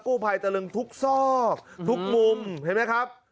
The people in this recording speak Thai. กู้ภัยตะลึงทุกซอกทุกมุมเห็นไหมครับ